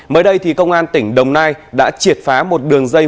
mới đây thì công an tỉnh đồng nai đã triệt phá một đường dây